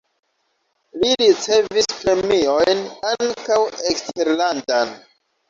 Li ricevis premiojn (ankaŭ eksterlandan).